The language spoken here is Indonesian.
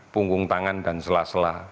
punggung tangan dan sela sela